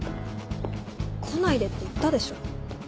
来ないでって言ったでしょ。